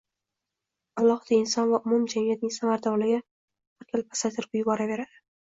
alohida inson va umum jamiyatning samaradorligini har gal pasaytirib yuboraverdi.